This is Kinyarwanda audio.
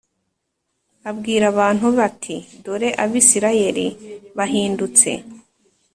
Abwira abantu be ati Dore Abisirayeli bahindutse.